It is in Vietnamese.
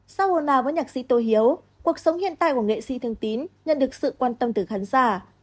sau ồn nào với nhạc sĩ tô hiếu cuộc sống hiện tại của nghệ sĩ thương tín nhận được sự quan tâm từ khán giả